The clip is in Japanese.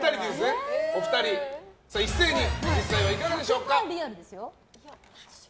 お二人一斉に、実際はいかがでしょうか。